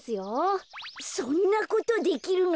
そんなことできるの？